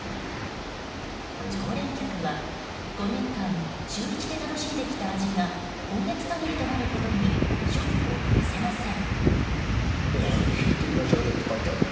常連客は５年間週一で楽しんできた味が今月限りとなることにショックを隠せません。